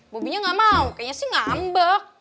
bobby nya gak mau kayaknya sih ngambek